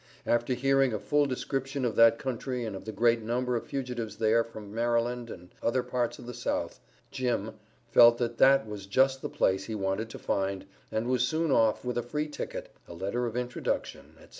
After hearing a full description of that country and of the great number of fugitives there from Maryland and other parts of the South, "Jim" felt that that was just the place he wanted to find, and was soon off with a free ticket, a letter of introduction, etc.